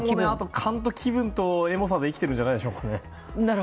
気分とエモさで生きてるんじゃないでしょうか。